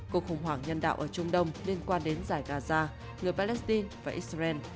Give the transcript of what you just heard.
cuộc khủng hoảng nhân đạo ở trung đông liên quan đến giải gaza người palestine và israel